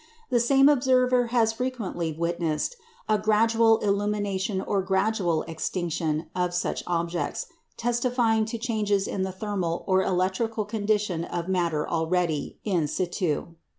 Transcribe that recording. The same observer has frequently witnessed a gradual illumination or gradual extinction of such objects, testifying to changes in the thermal or electrical condition of matter already in situ.